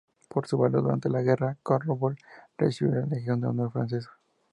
Por su valor durante la guerra, Carroll recibió la Legión de Honor francesa.